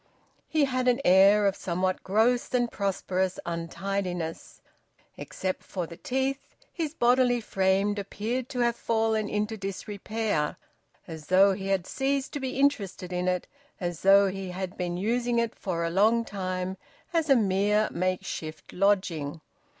He had an air of somewhat gross and prosperous untidiness. Except for the teeth, his bodily frame appeared to have fallen into disrepair, as though he had ceased to be interested in it, as though he had been using it for a long time as a mere makeshift lodging.